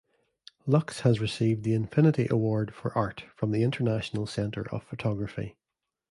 Lux has received the Infinity Award for Art from the International Center of Photography.